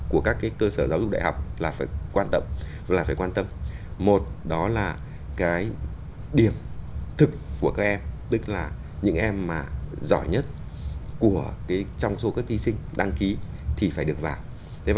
cái đầu vào của các cơ sở giáo dục đại học là phải quan tâm một đó là cái điểm thực của các em tức là những em mà giỏi nhất trong số các thí sinh đăng ký thì phải được vào